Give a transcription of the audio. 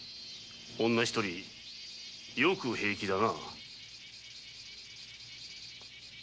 女１人よく平気だな。